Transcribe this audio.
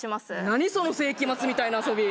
何その世紀末みたいな遊び